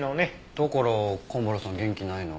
だから蒲原さん元気ないの？